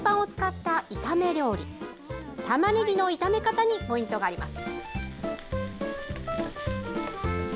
たまねぎの炒め方にポイントがあります。